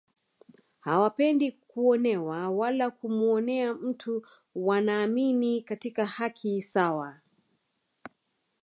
Hawapendi kuonewa wala kumuonea mtu wanaamini katika haki sawa